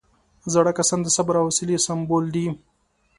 زاړه کسان د صبر او حوصلې سمبول دي